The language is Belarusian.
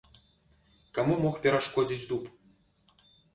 Каму мог перашкодзіць дуб?